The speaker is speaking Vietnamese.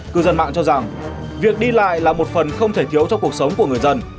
cư dân mạng cho rằng việc đi lại là một phần không thể thiếu cho cuộc sống của người dân